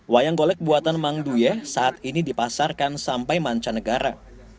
wayang golek buatan mangduye saat ini dipasarkan sampai manca negara